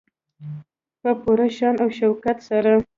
په پوره شان او شوکت سره.